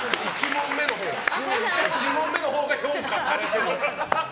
１問目のほうが評価されてる！